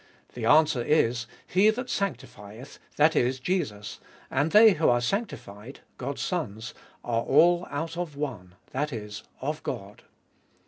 The answer is, He that sanctifieth, that is, Jesus, and they who are sanctified, God's sons, are all out of One, that is, of God.